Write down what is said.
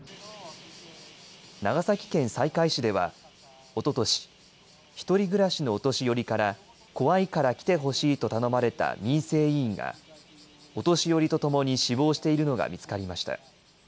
長崎県西海市では、おととし、１人暮らしのお年寄りから怖いから来てほしいと頼まれた民生委員が、お年寄りとともに死亡しているのが見つかりました。